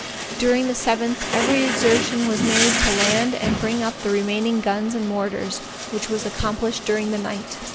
During the seventh every exertion was made to land and bring up the remaining guns and mortars, which was accomplished during the night.